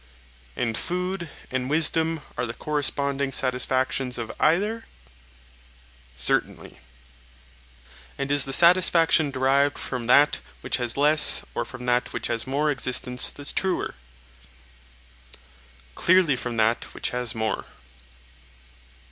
And food and wisdom are the corresponding satisfactions of either? Certainly. And is the satisfaction derived from that which has less or from that which has more existence the truer? Clearly, from that which has more.